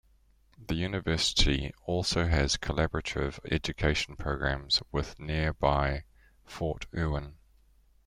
The university also has collaborative educational programs with nearby Fort Irwin.